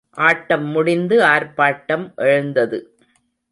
ஆட்டம் முடிந்து ஆர்ப்பாட்டம் எழுந்தது.